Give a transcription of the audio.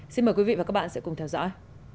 xin mời quý vị và các bạn sẽ cùng theo dõi